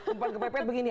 umpan kepepet begini